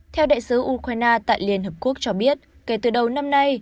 theo đại sứ ukraine tại liên hợp quốc cho biết kể từ đầu năm nay